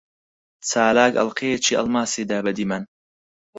چالاک ئەڵقەیەکی ئەڵماسی دا بە دیمەن.